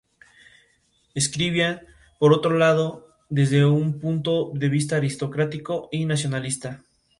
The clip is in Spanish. Además, fue la primera representante de Panamá ante la Comisión Interamericana de Mujeres.